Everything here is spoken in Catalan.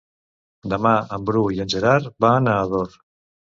Demà en Bru i en Gerard van a Ador.